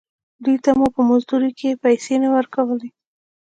دوې ته مو په مزدورۍ کښې پيسې نه ورکولې.